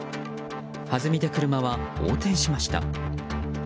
はずみで車は横転しました。